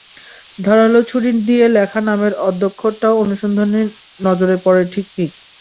ধারালো ছুরি দিয়ে লেখা নামের আদ্যক্ষরটাও অনুসন্ধানী নজরে পড়ে ঠিক ঠিক।